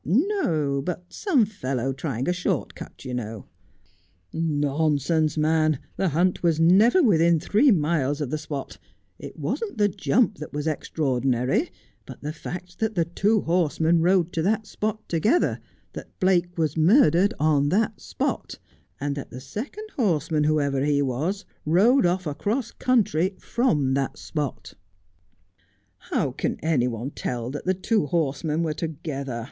' No, but some fellow trying a short cut, you know '' Nonsense, man, the hunt was never within three miles of the spot. It wasn't the jump that was extraordinary, but the fact that the two horsemen rode to that spot together, that Blake was murdered on the spot, and that the second horseman, whoever he was, rode off across country from that spot.' ' How can any one tell that the two horsemen were together